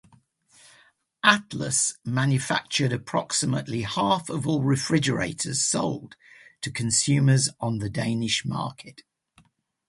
Atlas manufactured approximately half of all refrigerators sold to consumers on the Danish market.